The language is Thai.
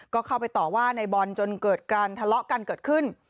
ก็เข้าไปต่อว่าในบอลจนเกิดการทะเลาะกันเกิดขึ้น